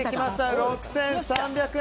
６３００円。